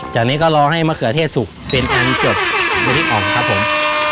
จากนี้ก็รอให้มะเขือเทศสุกเป็นอันจบครับผม